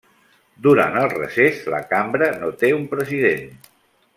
Durant el recés, la cambra no té un president.